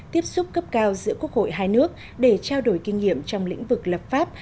tiếp xúc cấp cao giữa quốc hội hai nước để trao đổi kinh nghiệm trong lĩnh vực lập pháp